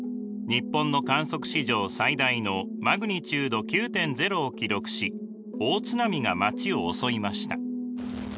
日本の観測史上最大のマグニチュード９．０を記録し大津波が街を襲いました。